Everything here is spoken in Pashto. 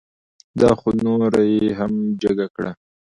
دا خو نوره یې هم جگه کړه.